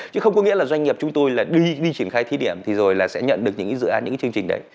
chứ không có nghĩa là doanh nghiệp chúng tôi là đi đi triển khai thí điểm thì rồi là sẽ nhận được những cái dự án những cái chương trình đấy